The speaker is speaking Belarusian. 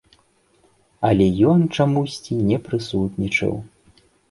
Але ён чамусьці не прысутнічаў.